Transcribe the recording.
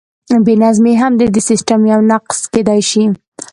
بې نظمي هم د دې سیسټم یو نقص کیدی شي.